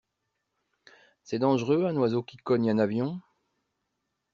C'est dangereux un oiseau qui cogne un avion?